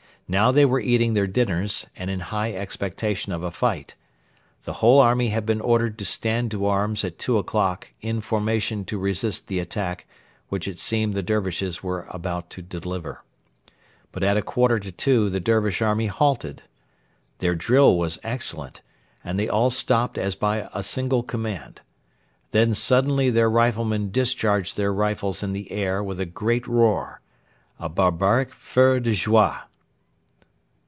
Now they were eating their dinners, and in high expectation of a fight. The whole army had been ordered to stand to arms at two o'clock in formation to resist the attack which it seemed the Dervishes were about to deliver. But at a quarter to two the Dervish army halted. Their drill was excellent, and they all stopped as by a single command. Then suddenly their riflemen discharged their rifles in the air with a great roar a barbaric feu de joie.